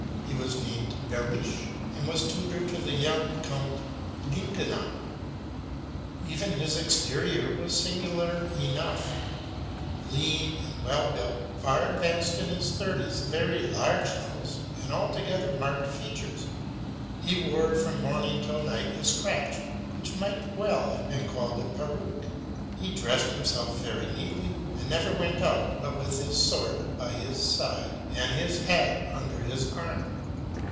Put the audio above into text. He was named Behrisch, and was tutor to the young Count Lindenau. even his exterior was singular enough. Lean and well built, far advanced in the thirties, a very large nose, and altogether marked features: he wore from morning till night a scratch which might well have been called a peruke, but dressed him self very neatly, and never went out but with his sword by his side, and his hat under his arm.